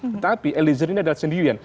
tetapi eliezer ini adalah sendirian